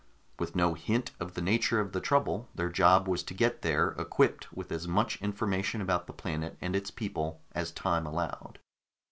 With no hint of the nature of the trouble, their job was to get there, equipped with as much information about the planet and its people as time allowed.